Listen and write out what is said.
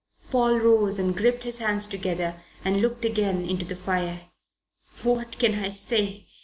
Paul rose and gripped his hands together and looked again into the fire. "What can I say?